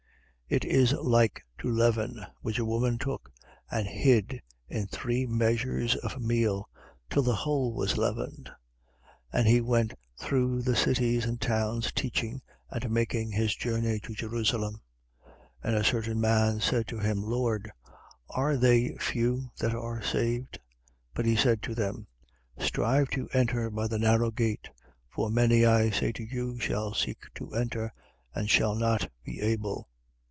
13:21. It is like to leaven, which a woman took and hid in three measures of meal, till the whole was leavened. 13:22. And he went through the cities and towns teaching and making his journey to Jerusalem. 13:23. And a certain man said to him: Lord, are they few that are saved? But he said to them: 13:24. Strive to enter by the narrow gate: for many, I say to you, shall seek to enter and shall not be able.